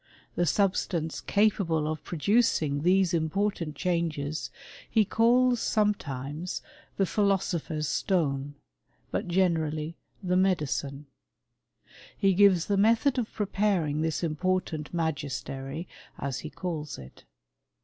The subtance capable of producing^ these important changes he calls sometimes thepAifo sopher's stone, but generally the Tnedi<nne. He gives the method of preparing this important magiitery, as he calls it.